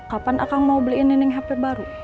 kapan akang mau beliin nining hp baru